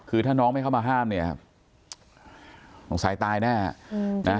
คือถ้าน้องไม่เข้ามาห้ามเนี่ยเฉิงสายตายอยู่หน้า